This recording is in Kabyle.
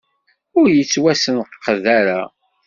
Ur yettwasenqed ara.